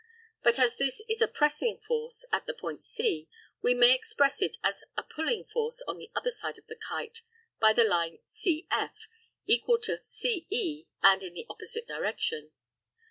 But as this is a pressing force at the point C, we may express it as a pulling force on the other side of the kite by the line CF, equal to CE and in the opposite direction.